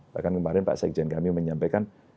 bahkan kemarin pak sekjen kami menyampaikan